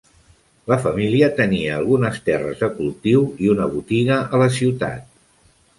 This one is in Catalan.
La família tenia algunes terres de cultiu i una botiga a la ciutat.